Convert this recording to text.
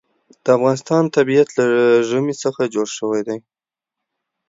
د افغانستان طبیعت له ژمی څخه جوړ شوی دی.